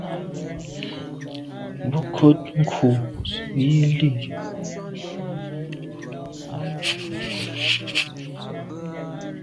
Bon nkùt nku yi li.